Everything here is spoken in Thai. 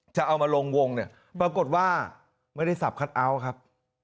จะเอามาลงวงเนี่ยปรากฏว่าไม่ได้สับคัทเอาท์ครับ